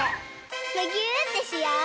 むぎゅーってしよう！